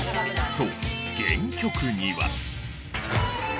そう原曲には。